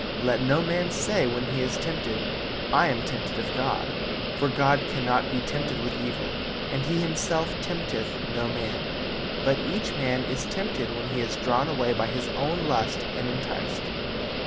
Let no man say when he is tempted, I am tempted of God; for God cannot be tempted with evil, and he himself tempteth no man; but each man is tempted when he is drawn away by his own lust and enticed.